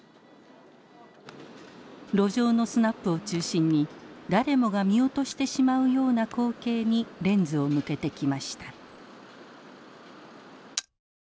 路上のスナップを中心に誰もが見落としてしまうような光景にレンズを向けてきました。